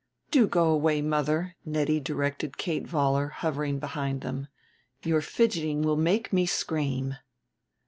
"Do go away, mother!" Nettie directed Kate Vollar hovering behind them. "Your fidgeting will make me scream."